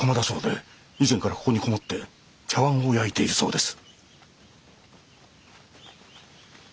以前からここに籠もって茶わんを焼いているそうです。